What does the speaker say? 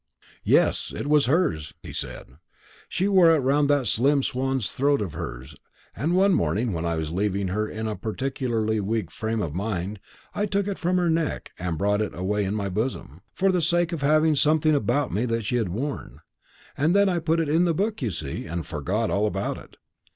"Yes, it was hers," he said; "she wore it round that slim swan's throat of hers; and one morning, when I was leaving her in a particularly weak frame of mind, I took it from her neck and brought it away in my bosom, for the sake of having something about me that she had worn; and then I put it in the book, you see, and forgot all about it.